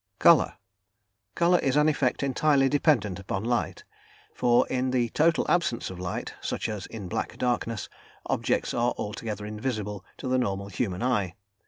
~Colour.~ Colour is an effect entirely dependent upon light, for in the total absence of light, such as in black darkness, objects are altogether invisible to the normal human eye.